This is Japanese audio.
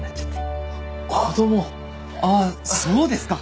あそうですか。